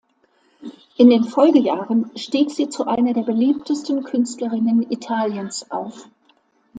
In den Folgejahren stieg sie zu einer der beliebtesten Künstlerinnen Italiens auf.